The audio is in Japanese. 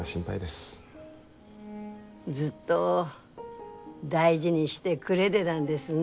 ずっと大事にしてくれでだんですね。